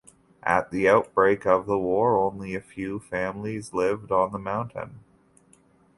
At the outbreak of the war, only a few families lived on the mountain.